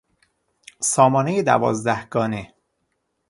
سامانهی دوازدهگانه